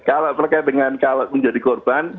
kalau terkait dengan kalau menjadi korban